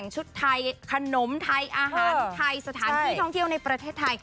สถานที่ท้องเที่ยวในประเทศไทย